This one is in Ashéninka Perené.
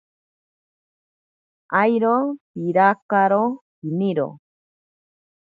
Airo pirakaro piniro.